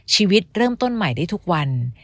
ชีวิตเริ่มต้นใหม่ได้ทุกวัน